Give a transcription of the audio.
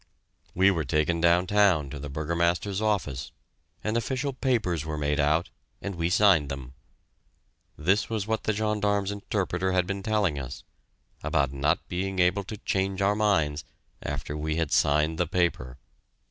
We were taken downtown to the Burgomaster's office, and official papers were made out, and we signed them. This was what the gendarme's interpreter had been telling us, about not being able to change our minds after we had signed the paper!